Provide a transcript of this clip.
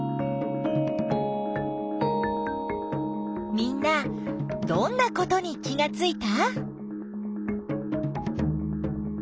みんなどんなことに気がついた？